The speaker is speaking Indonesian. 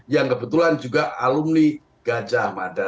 yang kebetulan juga alumni gajah mada